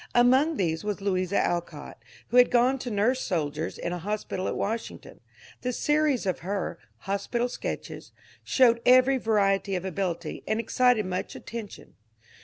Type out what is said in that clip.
Among these was Louisa Alcott, who had gone to nurse soldiers in a hospital at Washington. The series of her ^* Hospital Sketches " showed every variety of ability, and excited much attention.